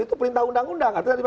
itu perintah undang undang